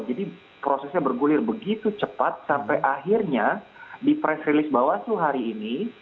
jadi prosesnya bergulir begitu cepat sampai akhirnya di press release bawaslu hari ini